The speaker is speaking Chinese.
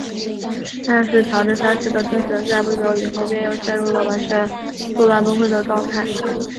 但是乔治三世的精神在不久以后便又陷入了完全错乱崩溃的状态。